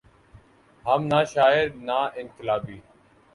ہم نہ شاعر نہ انقلابی۔